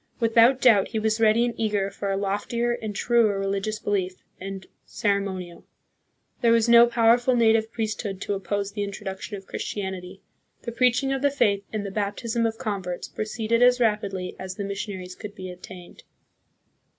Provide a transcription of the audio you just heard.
Without doubt he was ready and eager for a loftier and truer religious belief and ceremo nial. There was no powerful native priesthood to oppose the introduction of Christianity. The preaching of the faith and the baptism of converts proceeded as rapidly as the missionaries could be obtained.